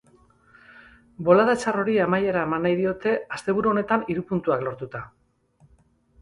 Bolada txar hori amaiera eman nahi diote asteburu honetan hiru puntuak lortuta.